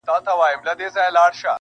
• بس قسمت دی و هر چا ته حق رسیږي -